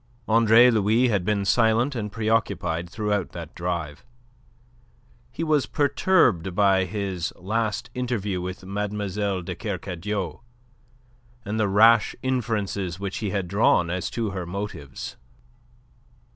Andre Louis had been silent and preoccupied throughout that drive. He was perturbed by his last interview with Mademoiselle de Kercadiou and the rash inferences which he had drawn as to her motives.